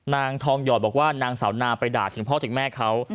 นางทองหยอดบอกว่านางสาวนาไปด่าถึงพ่อถึงแม่เขา